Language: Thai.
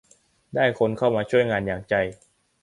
ได้คนเข้ามาช่วยงานอย่างใจ